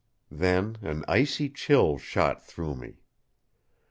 Then an icy chill shot through me.